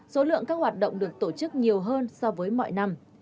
số lượng các hoạt động được tổ chức nhiều hơn so với mọi năm